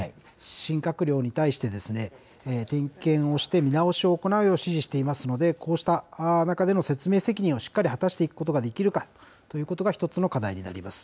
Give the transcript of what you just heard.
新閣僚に対して点検をして見直しを行うよう指示していますので、こうした中での説明責任をしっかり果たしていくことができるかということが一つの課題になります。